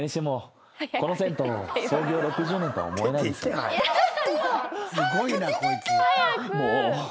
もう。